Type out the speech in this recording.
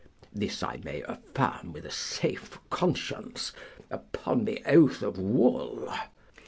This I may affirm with a safe conscience, upon my oath of wool.